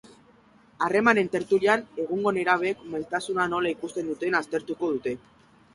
Harremanen tertulian, egungo nerabeek maitasuna nola ikusten duten aztertuko dute.